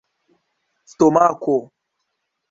stomako